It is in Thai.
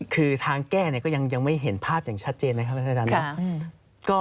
คือทางแก้ก็ยังไม่เห็นภาพอย่างชัดเจนนะครับท่านอาจารย์ครับ